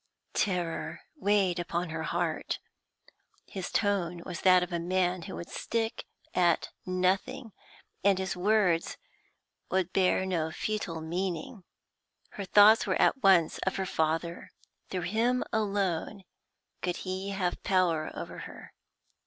Terror weighed upon her heart. His tone was that of a man who would stick at nothing, and his words would bear no futile meaning. Her thoughts were at once of her father; through him alone could he have power over her.